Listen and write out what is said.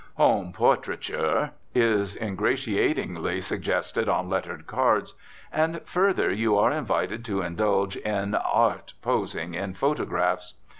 "Home portraiture" is ingratiatingly suggested on lettered cards, and, further, you are invited to indulge in "art posing in photographs."